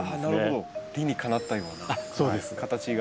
理にかなったような形が。